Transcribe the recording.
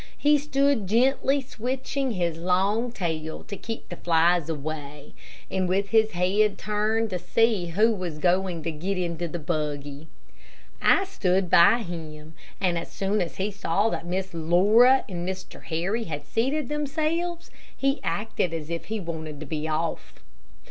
He stood gently switching his long tail to keep the flies away, and with his head turned to see who was going to get into the buggy. I stood by him, and as soon as he saw that Miss Laura and Mr. Harry had seated themselves, he acted as if he wanted to be off. Mr.